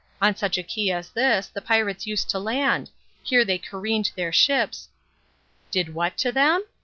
On such a key as this the pirates used to land. Here they careened their ships " "Did what to them?"